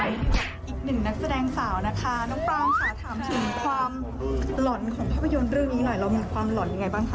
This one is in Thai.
อีกหนึ่งนักแสดงสาวนะคะน้องปรางค่ะถามถึงความหล่อนของภาพยนตร์เรื่องนี้หน่อยเรามีความหล่อนยังไงบ้างคะ